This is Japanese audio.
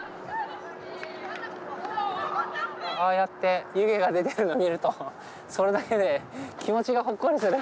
ああやって湯気が出てるの見るとそれだけで気持ちがほっこりする。